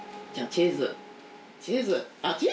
チーズ。